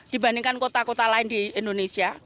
dibandingkan kota kota lain di indonesia